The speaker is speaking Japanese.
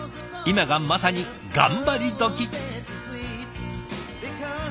今がまさに頑張り時。